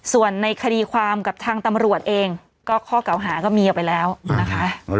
ส่วนในคดีความกับทางตำรวจเองก็ข้อเก่าหาก็มีออกไปแล้วนะคะ